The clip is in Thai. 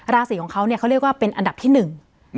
ราศีของเขาเนี่ยเขาเรียกว่าเป็นอันดับที่หนึ่ง